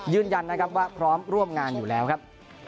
ยืนยันนะครับว่าพร้อมร่วมงานอยู่แล้วครับ